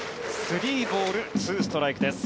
３ボール２ストライクです。